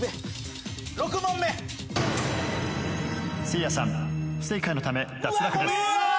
せいやさん不正解のため脱落です。